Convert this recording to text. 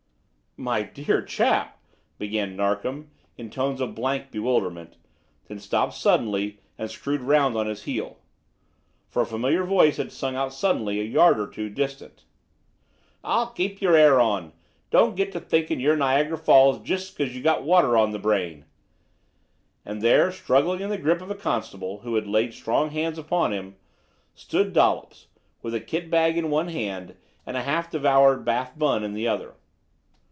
"My dear chap!" began Narkom in tones of blank bewilderment, then stopped suddenly and screwed round on his heel. For a familiar voice had sung out suddenly a yard or two distant: "Ah! keep yer 'air on! Don't get to thinkin' you're Niagara Falls jist because yer got water on the brain!" And there, struggling in the grip of a constable, who had laid strong hands upon him, stood Dollops with a kit bag in one hand and a half devoured bath bun in the other.